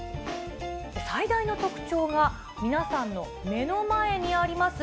最大の特徴が皆さんの目の前にあります